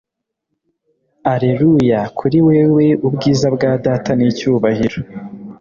Alleluia kuri wewe ubwiza bwa Data n'icyubahiro